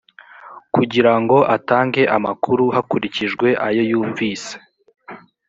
kugira ngo atange amakuru hakurikijwe ayo yumvise